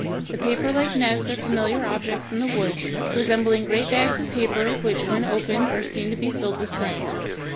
The paperlike nests are familiar objects in the woods, resembling great bags of paper which when opened are seen to be filled with cells.